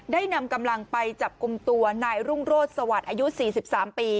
นำกำลังไปจับกลุ่มตัวนายรุ่งโรศสวัสดิ์อายุ๔๓ปี